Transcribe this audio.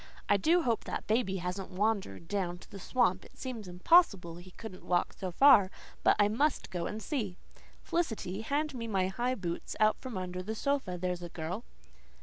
"I do hope that baby hasn't wandered down to the swamp. It seems impossible he could walk so far; but I must go and see. Felicity, hand me my high boots out from under the sofa, there's a girl."